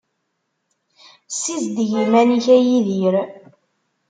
Ssizdeg iman-ik a Yidir.